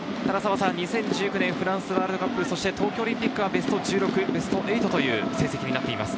ただ２０１９年フランスワールドカップ、そして東京オリンピックはベスト１６とベスト８という成績です。